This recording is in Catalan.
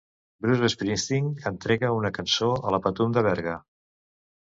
Bruce Springsteen entrega una cançó a la Patum de Berga.